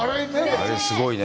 あれ、すごいね。